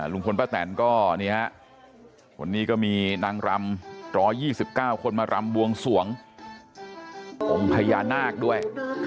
รุงพลป้าแตนก็วันนี้ก็มีนางรำ๑๒๙คนมารำวงส่วงมภญนักด้วย